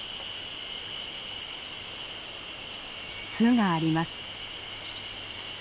巣があります。